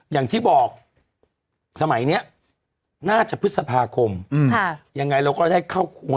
อย่างที่บอกสมัยนี้น่าจะพฤษภาคมยังไงเราก็ได้เข้าครัว